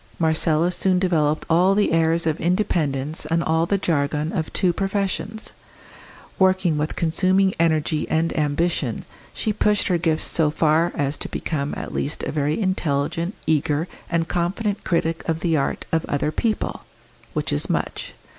Marcella soon developed all the airs of independence and all the jargon of two professions. Working with consuming energy and ambition, she pushed her gifts so far as to become at least a very intelligent, eager, and confident critic of the art of other people which is much.